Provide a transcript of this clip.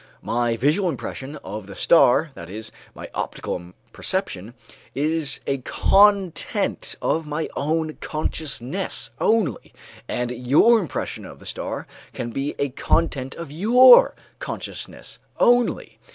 My visual impression of the star, that is, my optical perception, is a content of my own consciousness only, and your impression of the star can be a content of your consciousness only.